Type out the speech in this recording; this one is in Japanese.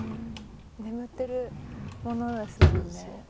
眠ってるものですもんね。